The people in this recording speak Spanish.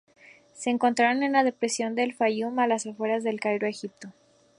Se encontraron en la depresión del Fayum, a las afueras del El Cairo, Egipto.